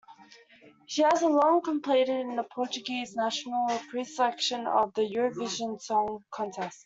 She has long competed in the Portuguese national pre-selection for the Eurovision Song Contest.